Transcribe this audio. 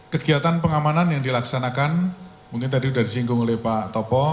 kegiatan pengamanan yang dilaksanakan mungkin tadi sudah disinggung oleh pak topo